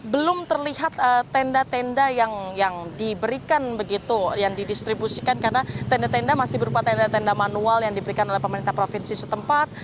belum terlihat tenda tenda yang diberikan begitu yang didistribusikan karena tenda tenda masih berupa tenda tenda manual yang diberikan oleh pemerintah provinsi setempat